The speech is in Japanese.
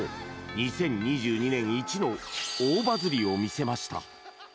２０２２年イチの大バズりを見せました。